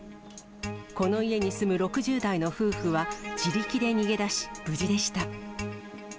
この家に住む６０代の夫婦は、自力で逃げ出し、無事でした。